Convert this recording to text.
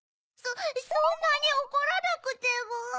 そんなにおこらなくても。